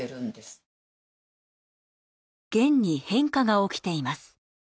『ゲン』に変化が起きています。